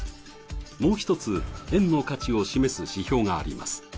もう一つ円の価値を示す指標があります。